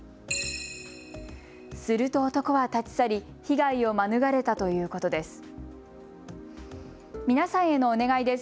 すると男は立ち去り被害を免れたということです。